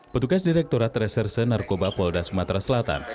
petugas direkturat reserse narkoba polda sumatera selatan